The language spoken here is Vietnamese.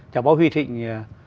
chào báo huy thịnh